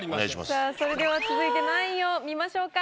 さあそれでは続いて何位を見ましょうか？